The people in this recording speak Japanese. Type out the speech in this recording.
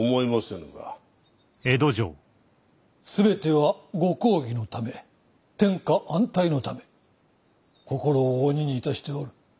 全てはご公儀のため天下安泰のため心を鬼に致しておる。